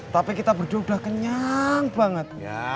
tapi kita berdua udah kenyang banget